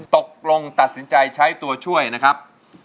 ตกลงตัดสินใจใช้ตัวช่วยนะครับ